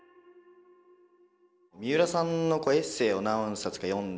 みうらさんのエッセーを何冊か読んで。